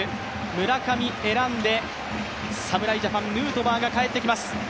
村上選んで、侍ジャパンヌートバーが帰ってきます。